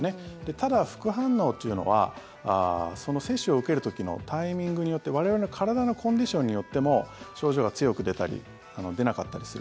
ただ、副反応というのはその接種を受ける時のタイミングによって我々の体のコンディションによっても症状が強く出たり出なかったりする。